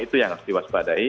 itu yang harus diwaspadai